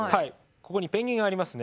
ここにペンギンありますね。